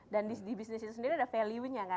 dan di bisnis itu sendiri ada value nya kan